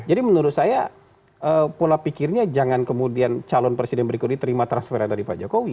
jadi menurut saya pula pikirnya jangan kemudian calon presiden berikutnya terima transferan dari pak jokowi